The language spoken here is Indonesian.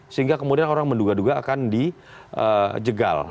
sehingga kemudian orang menduga duga akan dijegal